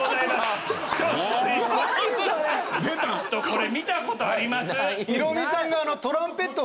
これ見たことあります？